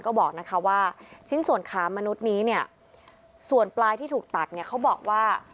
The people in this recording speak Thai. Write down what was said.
ก็บอกว่าชิ้นส่วนขามนุษย์นี้ส่วนปลายที่ถูกตัดเขาบอกว่า